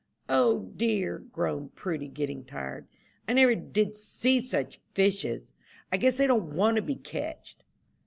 "O dear!" groaned Prudy, getting tired, "I never did see such fishes. I guess they don't want to be catched."